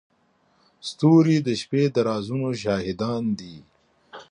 ستوري د شپې د رازونو شاهدان دي.